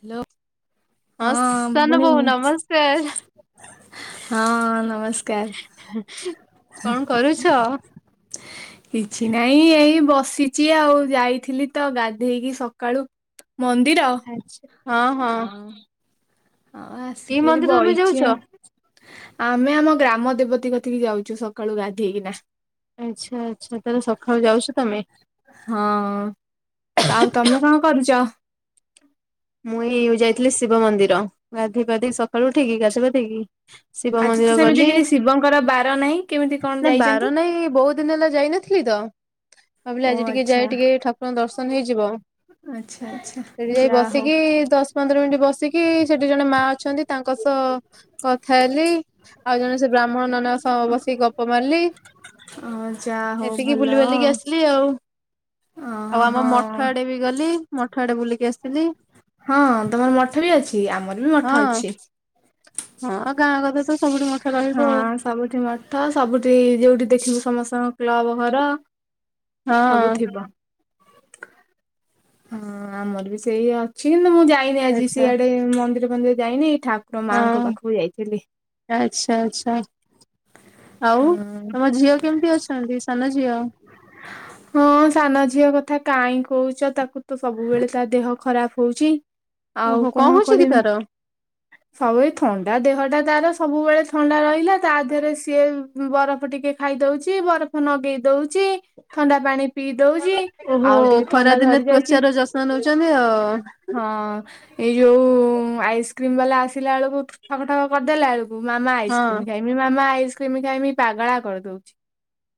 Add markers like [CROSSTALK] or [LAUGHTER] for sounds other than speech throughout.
Hello ହଁ ସାନ ପୁଣି। ବୋଉ ନମସ୍କାର ହଁ ନମସ୍କାର। ହ କଣ କରୁଛ। କିଛି ନାଇଁ ଏଇ ବସିଛି ଆଉ ଯାଇଥିଲି ତ ଗାଧେଇ କି ସକାଳୁ। ମନ୍ଦିର ଆଛା ଅ ଆଉ ଏଇ ଆସିକି ମନ୍ଦିର ତମେ ଯାଉଛ? ବାଇଛି ଆଉ ଆମେ ଆମ ଗ୍ରାମ ଦେବତୀ କତିିକି ଯାଉଛୁ ସକାଳୁ ଗାଧେଇ କିନା। ଆଚ୍ଛା ଆଚ୍ଛା ତା ହେଲେ ସକାଳୁ ଯାଉଛ ତମେ। ହଁ ଆଉ ତମେ କଣ କରୁଛ। ମୁଁ ଏଇ ଯାଇଥିଲି ଶିବ ମନ୍ଦିର ଗାଧେଇ ପାଧେଇ ସକାଳୁ ଉଠିକି ଗାଛ ପକେଇ ଶିବ ଆଜି ତ ମନ୍ଦିର ସେମିତି ଗଲି କିଛି ଶିବଙ୍କର ବାର ନାହିଁ କେମିତି କଣ ନା ଯାଇଛନ୍ତି? ବାର ନାଇଁ ବହୁତ କେତେ ଦିନ ହେଲା ଯାଇନଥିଲି ତ ଓ ଭାବିଲି ଆଜି ଟିକେ ଆଚ୍ଛା ଯାଇ ଟିକେ ଠାକୁରଙ୍କ ଦର୍ଶନ ହେଇଯିବ। ଆଚ୍ଛା ଆଚ୍ଛା ସେଠି ଯାଇ ଯା ହଉ ବସିକି ଦଶ ପନ୍ଦର ମିନିଟ ବସିକି ସେଠି ଜଣେ ମା ଅଛନ୍ତି ତାଙ୍କ ସହ କଥା ହେଲି ଆଉ ଜଣେ ସେ ବ୍ରାହ୍ମଣ ନନା ସମ ବସିକି ଗପ ମାରିଲି, ଅ ଯା ହଉ ଏତିକି ଭଲ। ବୁଲି ବାଲିକି ଆସ ଆଉ ଅ ଆଉ ଆମ ହଁ ମଠ ଆଡେ ବି ଗଲି ମଠ ଆଡେ ବୁଲିକି ଆସିଲି। ହଁ ତମର ମଠ ବି ଅଛି ଆମର ବି ହଁ ମଠ ଅଛି। ହଁ ଗାଁ ଗଲେ ତ ସବୁଠୁ ମ ହଁ ସବୁଠି ମଠ ସବୁଠି ଯୋଉଠି ଦେଖିବୁ ସମସ୍ତଙ୍କ କ୍ଲବ ଘର। ଆଉ ସବୁ ଥିବ। ହଁ ଆମର ବି ସେଇ ଅଛି କିନ୍ତୁ ମୁଁ ଯାଇନି ହଁ ଆଜି ଆଚ୍ଛା ସିଆଡେ ମନ୍ଦିର ଫନ୍ଦିର ଯାଇନି। ଠାକୁର ମାଆଙ୍କ ହଁ ପାଖକୁ ଯାଇଥିଲି। ଆଚ୍ଛା ଆଚ୍ଛା। ଆଉ ହଁ ତମ ଝିଅ କେମିତି ଅଛନ୍ତି ସାନ ଝିଅ? ହଁ ସାନ ଝିଅ କଥା କାହିଁ କହୁଛ ତାକୁ ତ ସବୁବେଳେ ତା ଦେହ ଖରାପ। କଉଛି ଆଉ ଓହୋ କଣ ହଉଛି କି କରିବି। ତାର? ସବୁ ଥଣ୍ଡା ଦେହଟା ତାର ସବୁବେଳେ ଥଣ୍ଡା ରହିଲା ତା ଦେହରେ ସିଏ ବରଫ ଟିକେ ଖାଇ ଦଉଛି, ବରଫ ନଗେଇ ଦଉଛି। ଥଣ୍ଡା ପାଣି ପିଇ ଦଉଛି ଆଉ ଟିକେ ଥଣ୍ଡା ଧରି ଯାଇଛି। ତାର ଯତ୍ନ ନେଉଛନ୍ତି ଆଉ ହଁ! ଏଇ ଯୋଉ ଆଇସ୍କ୍ରିମ ବାଲା ଆସିଲା ବେଳକୁ ଠକ ଠକ କରିଦେଲା ବେଳକୁ ମାମା ଆଇସ୍କ୍ରିମ ହଁ ଖାଇବି। ମାମା ଆଇସ୍କ୍ରିମ ଖାଇମି ପାଗଳା କରି ଦଉଛି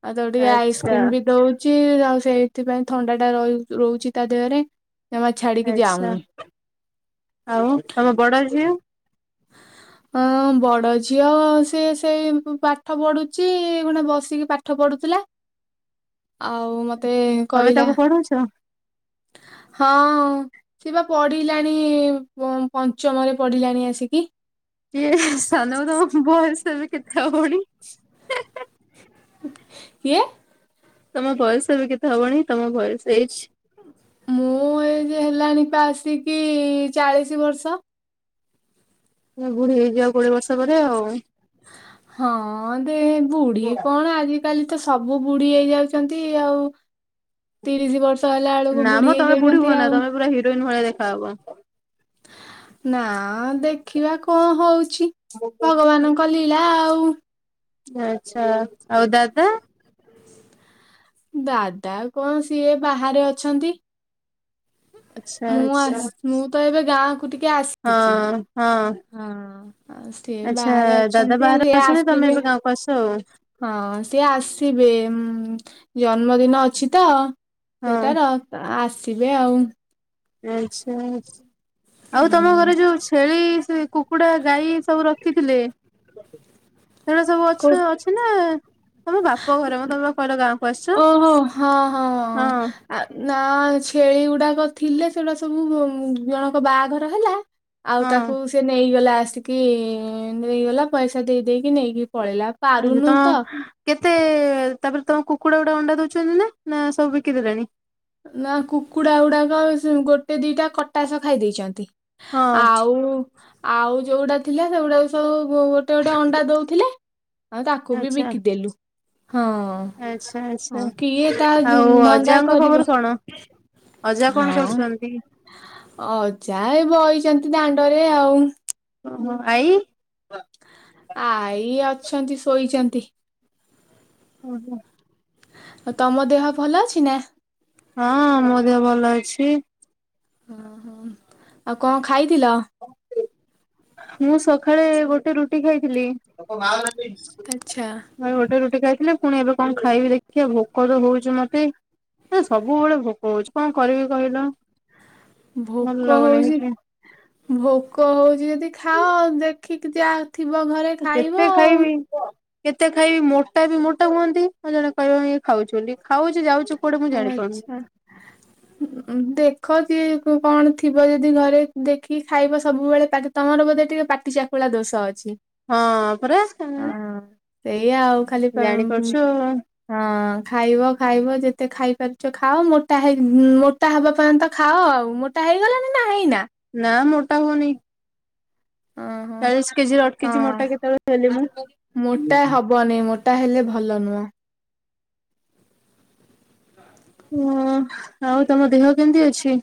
ଆଉ ଯୋଉଠି ଆଚ୍ଛା ଆଇସ୍କ୍ରିମ ବି ଦଉ ଯେ ସେଇଥିପାଇଁ ଥଣ୍ଡା ଟା ର ରହୁଛି ତା ଦେହରେ। ଜମା ଛାଡିକି ଆଛା ଯାଉନି। ଆଉ ତମ ବଡ ଝିଅ? ଅଁ ବଡ ଝିଅ ସି ସେଇ ପାଠ ପଢୁଛି ଗଟେ ବସିକି ପାଠ ପାଠ ପଢୁଥିଲା, ଆଉ ମତେ କହିଲା କରୁଛ। ହଁହଁ! ସେ ବା ପଢିଲାଣି ପ ପଞ୍ଚମରେ ପଢିଲାଣି ଆସିକି। କିଏ ସାନୁ ଉଡାକୁ ବୟସ ଏବେ କେତେ ହବଣି ହୁ କିଏ! ତମ ବୟସ ଏବେ କେତେ ହବଣି? ତମ ବୟସ ଏଜ ମୁଁ ଏଜ ହେଲାଣି ପା ଆସିକି ଚାଳିଶ ବର୍ଷ। ତୁମେ ବୁଢୀ ହେଇଯିବି ଆଉ କୋଡିଏ ବର୍ଷ ପରେ ଆଉ। ହଁ ଦେ ବୁଢୀ କଣ ଆଜି କାଲି ତ ସବୁ ବୁଢୀ ହେଇଯାଉଛନ୍ତି। ଆଉ ତିରିଶ ବର୍ଷ ତହିଲା ଆଳକୁ ନା ମ ବୁଢୀ ତମେ ହେଇଯାଉଛନ୍ତି ହୁଅନା ଆଉ। ତମେ ପୁରା ହିରୋଇନ ଭଳିଆ ଦେଖା ହବ। ନା ଦେଖିବା କଣ ହଉଛି, ଭଗବାନଙ୍କ ଲୀଳା ଆଉ। ଆଛା ଆଉ ଦାଦା? ଦାଦା କଣ, ସିଏ ବାହାରେ ଅଛନ୍ତି। ଆଚ୍ଛା ମୁଁ ଆଚ୍ଛା ଆସି, ମୁଁ ତ ଏବେ ଗାଁକୁ ଟିକେ ଆସିଛି। ହଁ ହଁ! ହଁ ଆଉ ସିଏ ଆଚ୍ଛା ବାହାରେ ଦାଦା ଅଛନ୍ତି। ଆଉ ବାହାରେ ସିଏ ଅଛନ୍ତି ତମେ ଆସିବେ ଏବେ ଗାଁକୁ ଆସ ଆଉ ହଁ ସିଏ ଆସିବେ, ଉଁ ଜନ୍ମଦିନ ଅଛି ତ। ହଁ ଝିଅଟାର ଆସିବେ ଆଉ ଆଛା, ଆଛା ଆଉ ହୁଁ ତମ ଘରେ ଯୋଉ ଛେଳି କୁ କୁକୁଡା, ଗାଈ ସବୁ ରଖିଥିଲେ। ସେଗୁଡା ସବୁ କୋ ଅଛ ଅଛି ନା? ତମ ବାପ ଘରେ! କହିଲ ତମେ ବା ଗାଁ କୁ ଆସିଛ ଓହୋ ହଁ ହଁ। ଆ ନାଇଁ ଛେଳି ଗୁଡାକ ଥିଲେ, ସେଗୁଡା ସବୁ ଜଣକ ବାହାଘର ହେଲା ଆଉ ତାକୁ ହଁ। ସେ ନେଇଗଲା ଆସିକି ନେଇଗଲା ପଇସା ଦେଇ ଦେଇକି ନେଇକି ପଳେଇଲା। ଆଜ୍ଞ ତ କେତେ, ତାପରେ ତମ କୁକୁଡା ଗୁଡା ଅଣ୍ଡା ଦଉଛନ୍ତି ନା? ନା ସବୁ ବିକିଦେଲେନି। ନା କୁକୁଡା ଗୁଡାକ ସେ ଗୋଟେ ଦିଟା କଟାସ ଖାଇ ଦେଇଛନ୍ତି। ହଁ ଆଉ ଆଉ ଯୋଉଟା ଥିଲା ସେଗୁଡା ସବୁ ଗୋଟେ ଗୋଟେ ଅଣ୍ଡା ଦଉଥିଲେ। ଆଉ ତାକୁ ବି ବିକିଦେଲୁ ହଁ। ଆଛା, ହଁ କିଏ ତା ଆଛା ଆଉ ଧନ୍ଦା ଅଜାଙ୍କ କରିବ। ଖବର କ କଣ ଅଜା କଣ କରୁଛନ୍ତି? ଆଜା ଏ ବହିଛନ୍ତି ଦାଣ୍ଡରେ ଆଉ। ଓହୋ ଆଇ? ଆଇ ଅଛନ୍ତି ଶୋଇଛନ୍ତି। ହୁ ହୁଁ! ଆ ତମ ଦେହ ଭଲ ଅଛି ନା? ହଁ ମୋ ଦେହ ଭଲ ଅଛି। ହୁଁ ହୁଁ ଆଉ କଣ ଖାଇଥିଲ? ମୁଁ ସକାଳେ ଗୋଟେ ରୁଟି ଖାଇଥିଲି। ଆଛା! ଭାଇ ଗୋଟେ ରୁଟି ଖାଇଥିଲେ। ପୁଣି ଏବେ କଣ ଖାଇବି ଦେଖିବା ଭୋକ ତ ହଉଛି ମତେ ସେ ସବୁବେଳେ ଭୋକ ହଉଛି କଣ କରିବି କହିଲ? ଭଲ ଭୋକ ଲାଗୁନି ହଉଛି କିଛି। ଭୋକ ହଉଛି ଯଦି ଖାଅ ଦେଖିକି ଯା ଥିବ ଘରେ କେତେ ଖାଇବ ଆଉ। ଖାଇବି? କେତେ ଖାଇବି ମୋଟା ବି ମୋଟା ହୁଅନ୍ତି ଆଉ ଜଣେ କହିବ ଇଏ ଖାଉଛି ବୋଲି। ଖାଉଛି ଯାଉଛି କୁଆଡେ ମୁଁ ଜାଣି ପାରୁନି। ହ! ଦେଖ କି କଣ ଥିବ ଯଦି ଘରେ ଦେଖିକି ଖାଇବ ସବୁବେଳେ ପା ତମର ବୋଧେ ଟିକେ ପାଟି ଚାକୁଳା ଦୋଷ ଅଛି। ହଁ ପରା ହଁ, ସେଇଆ ଆଉ ଖାଲି ଜାଣି ପା- ପାରୁଛ ଆଉ। ହଁ ଖାଇବ ଖାଇବ ଯେତେ ଖାଇପାରୁଛ ଖାଅ ମୋଟା ହେ ମୋଟା ହେବା ପର୍ଯ୍ୟନ୍ତ ଖାଅ ଆଉ ଟା ହେଇଗଲା ନା ହେଇନା? ନା ମୋଟା ହୁଅନି। ଓହୋ ଚାଳିଶ କେଜି ର ଅଟକିଛି ହଁ ମୋଟା କେତେବେଳେ ହେଲି ମୁଁ। ମୋଟା ହବନି ମୋଟା ହେଲେ ଭଲ ନୁହଁ। ଉମ୍ ଆଉ ତମ ଦେହ କେମିତି ଅଛି?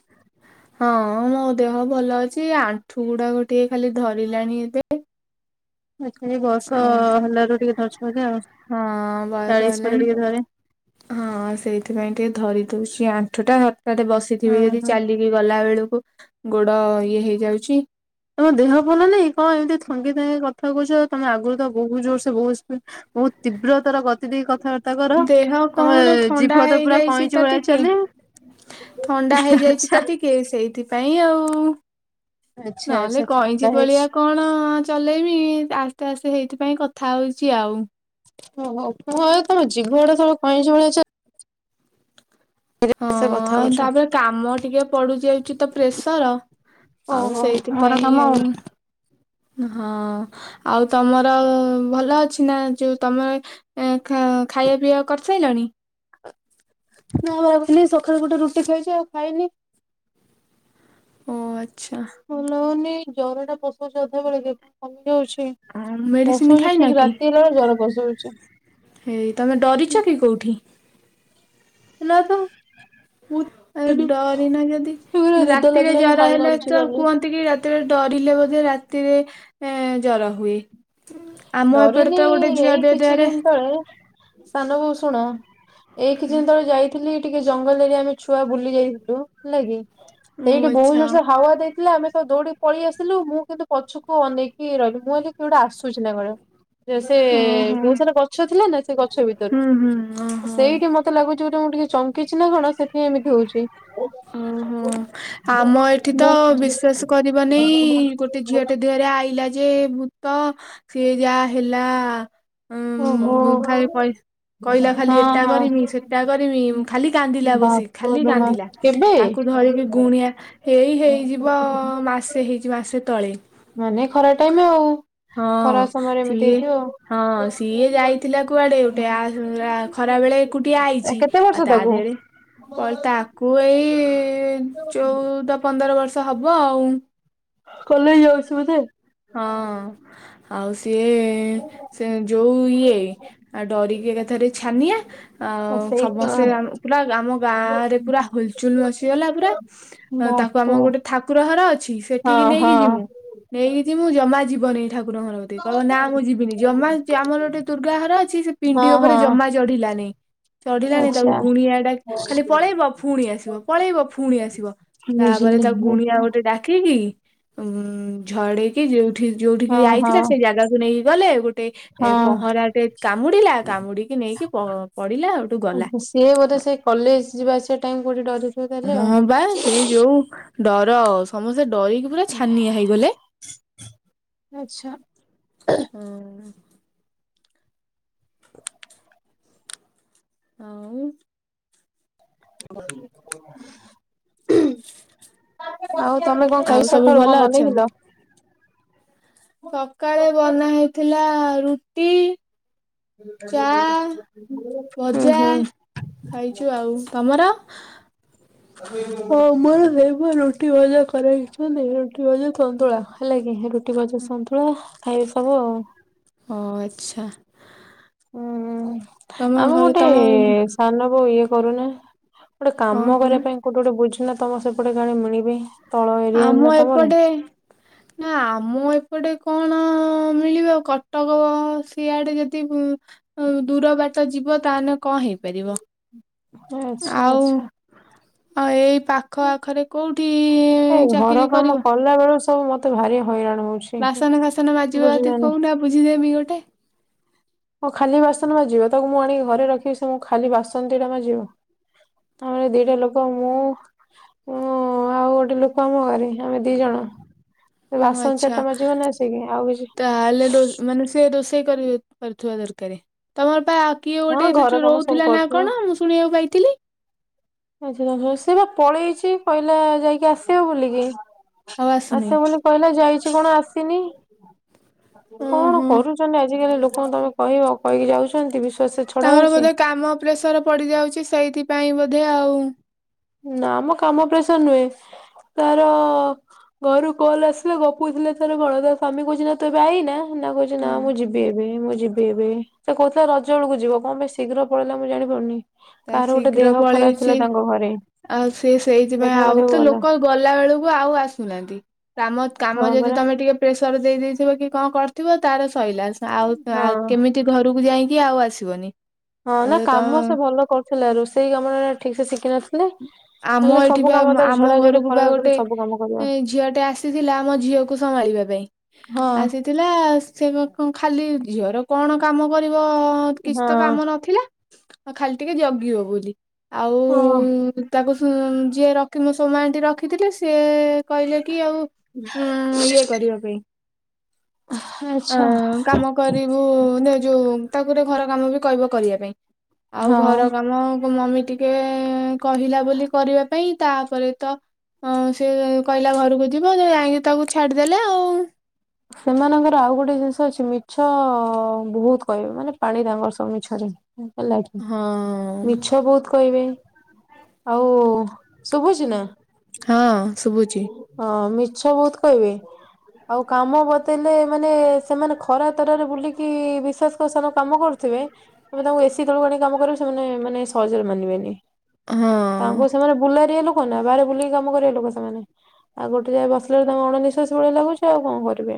ହଁ ମୋ ଦେହ ଭଲ ଅଛି ଆଣ୍ଠୁ ଗୁଡାକ ଟିକେ ଖାଲି ଧରିଲାଣି ଏବେ। [UNINTELLIGIBLE] ଅ ହେଲାରୁ ଟିକେ ଧରିଛି ବୋଧେ ଆଉ ହଁ ବାସ୍ ଚାଳିଶ ପରେ ଟିକେ [UNINTELLIGIBLE] ଧରେ ହଁ ସେଇଥିପାଇଁ ଟିକେ ଧରି ଦଉଛି ଆଣ୍ଠୁଟା ହଠାତ୍ ବସିଥିବି ହଁ ଯଦି ହଁ। ଚାଲି ଗଲା ବେଳକୁ ଗୋଡ ଇଏ ହେଇଯାଉଛି। ତମ ଦେହ ଭଲ ନାଇଁ କଣ ଏମିତି ଥଙ୍ଗି ଥଙ୍ଗି କଥା କହୁଛ ତମେ ଆଗରୁ ତ ବହୁ ଜୋରସେ ବହୁ ବହୁତ ତୀବ୍ରତାର ଗତି ଦେଇ କଥାବାର୍ତ୍ତା ତାକର ଦେହ ତମ କଣ ଥଣ୍ଡା ଜିଭ ତ ପୁରା ହେଇଯାଇଛି କଇଁଚି ତ ଭଳିଆ ଟିକେ ଚାଲେ। ଥଣ୍ଡା ହେଇଯାଇଛି ଆଚ୍ଛା ତ ଟିକେ ସେଇଥିପାଇଁ ଆଉ। ଆଚ୍ଛା ନହେଲେ ଆଚ୍ଛା ଥଣ୍ଡା କଇଁଚି ହେଇଛି। ଭଳିଆ କଣ ଚଲେଇବି ଆସ୍ତେ ଆସ୍ତେ ହେଇଥିପାଇଁ କଥା ହେଉଛି ଆଉ। ଓହୋ ମୁଁ [UNINTELLIGIBLE] ଜିଭ [UNINTELLIGIBLE] ସବୁବେଳେ କଇଂଚ ଭଳିଆ ହଁ ଚାଲେ ସେ କଥା ଆଉ ହଉଛ। ତାପରେ କାମ ଟିକେ ପଡୁ ଯାଉଛି ତ ପ୍ରେସର ଆଉ ଓହୋ ଘର କାମ ସେଇଥିପାଇଁ ଆଉ ହଁ। ଆଉ ତମର ଭଲ ଅଛି ନା ଯୋଉ ତମେ ଏ ଖାଅ ଖାଇବା ପିଇବା କରିସାରିଲଣି? [UNINTELLIGIBLE] ସକାଳୁ ଗୋଟେ ରୁଟି ଖାଇଛି ଆଉ ଖାଇନି। ଓ ଆଚ୍ଛା। ଭଲ ହଉନି ଜ୍ୱର ଟା ପଶୁଛି ଅଧାବେଳେକେ କମି ଯାଉଛି। ମେଡିସିନ ପଶଉଛି ଖାଇନା ଠିକ କି? ରାତି ହେଲା ବେଳେ ଜର ପଶଉଛି। ହେଇ ତମେ ଡରିଛ କି କଉଠି? ନାତ ଭୂ ଆଉ ଡରି ନା ଯଦି ନିଦ ରାତିରେ ଲାଗିଲାଣି ଜର ହାଇ ହେଲେ ମାରୁଛି ତ ଖାଲି କୁହନ୍ତି କି ରାତି ରାତିରେ ଡରିଲେ ବୋଧେ ରାତିରେ ଜର ହୁଏ। ଆମ ଏପଟେ ଡରିନି ତ ଗୋଟେ ଏଇ ଝିଅଟେ କିଛି ଦେହରେ ଦିନ ତଳେ ସାନ ବୋଉ ଶୁଣ ଏଇ କିଛି ଦିନ ତଳେ ଯାଇ ଥିଲି ଟିକେ ଜଙ୍ଗଲରେ ଆମେ ଛୁଆ ବୁଲି ଯାଇଥିଲୁ ହେଲା କି। ଓ ସେଇଠି ବହୁତ ଆଚ୍ଛା ଜୋରସେ ହାୱା ଦେଇଥିଲା ଆମେ ସବୁ ଦୌଡି ପଳେଇ ଆସିଥିଲୁ ମୁଁ କିନ୍ତୁ ପଛକୁ ଅନେଇକି ରହିଲି ମୁଁ କହିଲି କିଏ ଗୋଟେ ଆସୁଛି ନା କଣ। ଯେ ସେ ଓହୋ। ବହୁତ ସାରା ଗଛ ଥିଲା ନା ସେ ଗଛ ଭିତରୁ ହୁଁ ହୁଁ ଓହୋ। ସେଇଠି ମତେ ମତେ ଲାଗୁଛି ଗୋଟେ ମୁଁ ଟିକେ ଚମକିଛି ନା କଣ ସେଥିପାଇଁ ଏମିତି ହଉଛି। ମ ହମ୍ ଆମ ଏଠି ତ ମୁଁ ବିଶ୍ୱାସ କରିବ ନାଇଁ ଗୋଟେ ଝିଅଟେ ଦେହରେ ଆଇଲା ଯେ ଭୂତ ସିଏ ଯାହା ହେଲା ହଁ ଓହୋ ବୁଖାରି ପଇ କହିଲା ହଁ ଖାଲି ଏଟା ହଁ କରିମି ସେଟା କରିମି ଖାଲି କାନ୍ଦିଲା ବସି ଖାଲି ବାପଲୋ ମା କାନ୍ଦିଲା। କେବେ? ତାକୁ ଧରିକି ଗୁଣିଆ ଏଇ ହେଇ ହେଇଯିବ ମାସେ ହେଇଚି ମାସେ ତଳେ। ମାନେ ଖରା ଟାଇମ୍ ଆଉ ହଁ ଖରା ସମୟରେ ଏମିତି ସିଏ ହେଇଥିବ। ହଁ ସିଏ ଯାଇଥିଲା କୁଆଡ଼େ ଗୋଟେ ଆ ଆ ଖରା ବେଳେ ଏକୁଟିଆ ଆଇଚି ଆ ତା ଧେଅରେ ତୁ ତ ଗାରଉଚୁ। ତାକୁ ଏଇ ଚୋଉଦ ପନ୍ଦର ବର୍ଷ ହବ ଆଉ। କଲେଜ ଯାଉଛି ବୋଧେ? ହଁ ଆଉ ସିଏ ସେ ଯୋଉ ଇଏ ଆ ଡରିକି ଏକାଥରେ ଛାନିଆ। ଆଉ ସେଇ ସମସ୍ତେ ଆମ ପୁରା ଆମ ଗାଁରେ ପୁରା ହୋଲଚୁଲ୍ ବସି ଗଲା ପୁରା। ଅ ତାକୁ ବାପ ଆମ ଗୋଟେ ଠାକୁର ହର ଅଛି ସେଠିକି ହଁ ହଁ ନେଇକି ଯିମୁ ନେଇକି ଜିମୁ ଜମା ଯିବନେଇ ଠାକୁରଙ୍କ ଘର କତି କଇବ ନାଁ ମୁଁ ଯିବିନି ଜମା ଯେ ଆମର ଗୋଟେ ଦୁର୍ଗା ଘର ଅଛି ସେ ପିଣ୍ଡି ହଁ ଓପରେ ହଁ ଜମା ଚଢିଲାନେଇ ଚଢିଲାନେଇ ତାକୁ ଆଚ୍ଛା ଗୁଣିଆ ଡା ଖାଲି ପଳେଇବ। ଫୁଣି ଆସିବ ପଳେଇବ ଫୁଣି ଆସିବ ତାପରେ ବୁଝିଲି ତା ଗୁଣିଆ ଗୋଟେ ଡାକିକି ଉ ଝଡେଇକି ଯୋଉଠି ଯୋଉଠିକି ହଁ ହଁ ଆଇଥିଲା ସେଇ ଜାଗାକୁ ନେଇକି ଗଲେ ଗୋ ଟେ ଏ ହଁ ପହଁରାଟେ କାମୁଡ଼ିଲା କାମୁଡି଼କି ନେଇକି ପ ପଡ଼ିଲା ହଠୁ ଗଲା। ସିଏ ବୋଧେ ସେ କଲେଜ ଯିବା ଆସିବା ଟାଇମ୍ କୋଉଠି ଡରେ। ହଁ ବା ସିଏ ଯୋଉ ଡର ସମସ୍ତେ ଡରିକି ପୁରା ଛାନିଆ ହେଇଗଲେ। ଆଚ୍ଛା ଆଉ [INAUDIBLE] ଆଉ ତମେ କଁ ଆଉ ଖାଇ ସବୁ ସଖାଳୁ ଭଲ କଁ ଅଛନ୍ତି? ବନେଇଥିଲ? ସକାଳେ ବନା ହେଇଥିଲା ରୁଟି। ଚା ହୋ ହୋ। ଖାଇଚୁ ଆଉ ତମର? ଓ ମୋର ସେ ପା ରୁଟି ଭଜା କରାଇଛନ୍ତି ରୁଟି ଭଜା ସନ୍ତୁଳା ହେଲା କି ରୁ ଟି ଭଜା ସନ୍ତୁଳା ଖାଇବେ ସବୁ ଆଉ। ଓ ଆଚ୍ଛା। ଉଁ ହୁଁ ତମ ଆମ ଘରେ ଗୋଟେ ତମ ସାନ ବୋଉ ଇଏ କରୁନା ଗୋଟେ କଣ କାମ କୁହନା କରିବା ପାଇଁ କୋଉଠୁ ଗୋଟେ ବୁଝୁନା ତମ ସେପଟେ କାଳେ ମିଳିବେ। ତଳ ଏରିଆ ନା ଆମ ତମର। ଏପଟେ ନାଁ ଆମ ଏପଟେ କଣ ମିଳିବ କଟକ ସିଆଡେ ଯତି ଉଁ ଅ ଦୂର ବାଟ ଯିବ ତାହେନେ କଁ ହେଇପାରିବ ଆଚ୍ଛା ଆଉ ଅ ଏଇ ପା ଏଇ ଘର କରିବ? କାମ କଲା ବେଳୁ ସବୁ ମତେ ଭାରି ହଇରାଣ ହୋଉଚି। ବାସନ ଫାସନ ବାଜିବ ଅଦି କହୁନା ବୁଝିଦେମି ଗୋଟେ। ଓ ଖାଲି ବାସନ ମାଜିବ ତାକୁ ମୁଁ ଆଣି ଘରେ ରଖିବି ସେ ମୋ ଖାଲି ବାସନ ଦିଟା ମାଜିବ। ଆମର ଦିଟା ଲୋକ ମୁଁ ଉଁ ଆଉ ଗୋଟେ ଲୋ କ ଆମ ଘରେ ଆମେ ଦି ଜଣ ଏ ହଁ ବାସନ ଆଚ୍ଛା ଚାରିଟା ମାଜିବ ନା ଆସିକି ଆଉ କିଛି ତାହେଲେ ରୋ ମାନେ ସେ ରୋଷେଇ କରି ପାରୁଥୁବା ଦରକାରେ ତମର ପା କିଏ ହଁ ଗୋଟେ ଘର ସେଠି କାମ ସବୁ ରହୁଥିଲା ନାଁ କରୁଥିବ। କଣ ମୁଁ ଶୁଣିବାକୁ ପାଇଥିଲି। ଆଚ୍ଛା ସେ ବା ପଳେଇଛି କହିଲା ଯାଇକି ଆସିବ ବୋଲିକି ଆଉ ଆସୁନି। ଆସିବ ବୋଲି କହିଲା ଯାଇଛି କଣ ଆସିନି କଣ ଓହୋ କରୁଛୁ ଆଜିକାଲି ଲୋକଙ୍କୁ ତମେ କହିବ କହିକି ଯାଉଛନ୍ତି ବିଶ୍ୱାସ ତାଙ୍କର ବୋଧେ କାମ ପ୍ରେସର ପଡି ଯାଉଛି ସେଇଥିପାଇଁ ବୋଧେ ଆଉ। ନା ମ କାମ ପ୍ରେସର ନୁହେଁ ତାର ଘରୁ କଲ ଆସିଲେ ଗପୁ ଥିଲେ ତାର କଣ ତ ସ୍ୱାମୀ କହୁଛନ୍ତି ନା ତୁ ଏବେ ଆଇ ନା ନା କହୁଚି ନା ହଁ ମୁଁ ଯିବି ଏ ହେ ମୁଁ ଯିବି ଏବେ ସେ କହୁଥିଲା ରଜ ବେଳକୁ ଯିବ କଣ ପାଇଁ ଶୀଘ୍ର ପଳେଇଲା ମୁଁ ଜାଣିପାରୁନି। ତା କାହାର ଗୋଟେ ଶୀଘ୍ର ଦେହ ଖରାପ ଥିଲା ପଳେଇଛି। ତାଙ୍କ ଘରେ। ଆଉ ସେ ସେଇଥିପାଇଁ ଦେଖା ଆଉ କରିବାକୁ ତ ଗଲା ଲୋକ ଗଲା ବେଳକୁ ଆଉ ଆସୁନାହାନ୍ତି। କାମ କାମ ହଁ ଯଦି ପରା ତମେ ଟିକେ ପ୍ରେସର ଦେଇଥିବ କି କଣ କରିଥିବ ତାର ସଇିଲା ଆଉ ହଁ କେମିତି ତି ଘରକୁ ଯାଇକି ଆଉ ଆସିବନି। ହଁ ନା ଆଉ କାମ ତମ ସେ ଭଲ କରୁଥିଲା ରୋଷେଇ କାମରେ ଠିକ ସେ ଶିଖିିନଥିଲେ। ଆମ ଏଠି ବା ଆମ ଘରକୁ ବା ଖରି ଗୋଟେ ସବୁ କାମ କରିବ ଝିଅଟେ ଆସିଥିଲା ଆମ ଝିଅକୁ ସମ୍ଭାଳିବା ପାଇଁ। ହଁ ଥିଲା ସେ ଖାଲି ଝିଅର କଣ କାମ କରିବ। କିଛି ହଁ ତ କାମ ନଥିଲା ଖାଲି ଟିକେ ଜଗିବ ବୋଲି ଆଉ ହଁ ତାକୁ ଯିଏ ରଖି ମୋ ସୋମା ଆଣ୍ଟି ରଖିଥିଲେ ସିଏ କହିଲେ କି ଆଉ ଉଁ ଇଏ କରିବା ପାଇଁ। ଅ ଆଚ୍ଛା। କାମ କରିବୁ ନା ଯୋଉ ତାକୁଟିକେ ଘର କାମ ବି କହିବ କରିବା ପାଇଁ। ଆଉ ଘର ହଁ। କାମ ମମି ଟି କେ କହିଲା ବୋଲି କରିବା ପାଇଁ ତାପରେ ତ ସେ କହିଲା ଘରକୁ ଯିବ ଯ ଯାଇକି ତାକୁ ଛାଡ଼ିଦେଲେ ଆଉ। ସେମାନଙ୍କର ଆଉ ଗୋଟେ ଜିନିଷ ଅଛି ମିଛ ବହୁତ କହିବେ ମାନେ ପାଣି ତାଙ୍କର ସବୁ ମିଛରେ। ହେଲା କି ହଁ ମିଛ ବହୁତ କହିବେ। ଆଉ ଶୁଭୁଛି ନା। ହଁ ଶୁଭୁଛିି। ହଁ ମିଛ ବହୁତ କହିବେ। ଆଉ କାମ ବତେଇଲେ ମାନେ ସେମାନେ ଖରା ତରାରେ ବୁଲିକି ବିଶ୍ୱାସ କର ସେମାନେ କାମ କରୁଥିବେ। ତମେ ତାଙ୍କୁ ଏସିି ତଳକୁ ଆଣି କାମ କରିବ ସେମାନେ ମାନେ ସହଜରେ ମାନିବେନି। ହଁ ତାଙ୍କୁ ସେମାନେ ବୁଲାରିଆ ଲୋକ ନା ବାହାରେ ବୁଲିକି କାମ କରିବା ଲୋକ ସେମାନେ ଆଉ ଗୋଟେ ଜାଗାରେ ବସିଲେ ତାଙ୍କୁ ଅଣନିଶ୍ଵାସି ଭଳିଆ ଲାଗୁଛି ଆଉ। କଣ କରିବେ।